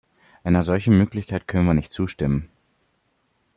Einer solchen Möglichkeit können wir nicht zustimmen.